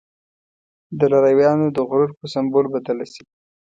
د لارويانو د غرور په سمبول بدله شي.